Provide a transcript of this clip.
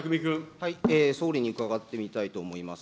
総理に伺ってみたいと思います。